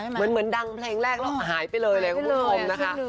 เหมือนดังเพลงแรกแล้วหายไปเลยเลยคุณผู้ชมนะคะ